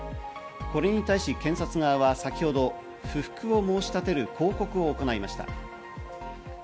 これに対し検察側は、先ほど不服を申し立てる抗告を行いました。